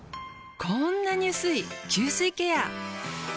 こんなに薄い吸水ケア。